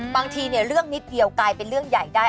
บางทีเรื่องนิดเดียวกลายเป็นเรื่องใหญ่ได้